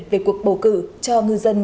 về cuộc bầu cử cho ngư dân